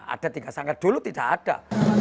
ada tiga sangkar dulu tidak ada